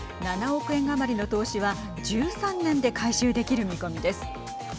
７億円余りの投資は１３年で回収できる見込みです。